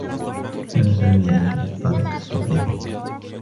كان سامي يعيش في الطابق السّفلي.